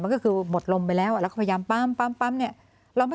มันก็คือหมดลมไปแล้วแล้วก็พยายามปั๊มปั๊มเนี่ย